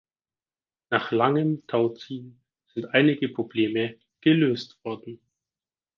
Nach langem Tauziehen sind einige Probleme gelöst worden.